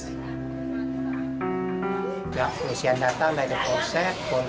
pemuda berusia dua puluh tahun yang diketahui berusia dua puluh delapan tahun yang berprofesi sebagai pengukudi ojek online